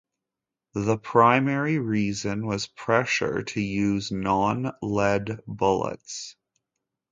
The primary reason was pressure to use non-lead bullets.